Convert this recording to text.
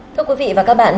thưa quý vị và các bạn